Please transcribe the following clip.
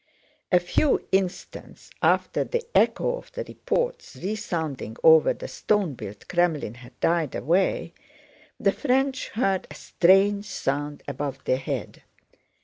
A few instants after the echo of the reports resounding over the stone built Krémlin had died away the French heard a strange sound above their head.